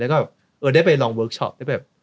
เออได้ไปลองเวิร์กชอปได้ไปแบบ